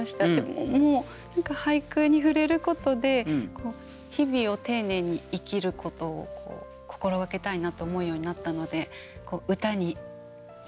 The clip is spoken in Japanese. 何か俳句に触れることで日々を丁寧に生きることを心がけたいなと思うようになったので歌に多分生きてくる。